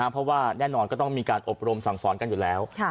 เพราะว่าแน่นอนก็ต้องมีการอบรมสั่งสอนกันอยู่แล้ว